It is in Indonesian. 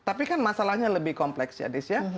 tapi kan masalahnya lebih kompleks ya des ya